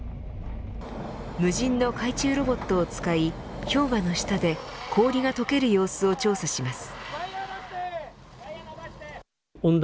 無人の海中ロボットを使い氷河の下で氷が解ける様子を調査します。